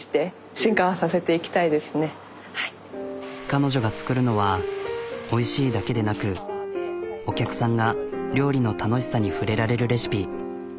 彼女が作るのは「おいしい」だけでなくお客さんが料理の楽しさに触れられるレシピ。